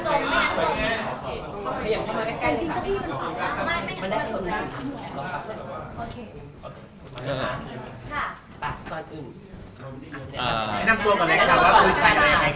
นั่งตัวก่อนเลยครับว่าคือใครแล้วยังไงครับ